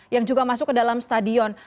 yang juga masuk ke dalam stadion